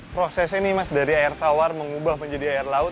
prosesnya nih mas dari air tawar mengubah menjadi air laut